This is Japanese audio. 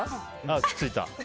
あ、くっついた。